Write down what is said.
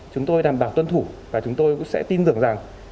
chúng tôi đảm bảo tuân thủ và chúng tôi cũng sẽ tin tưởng rằng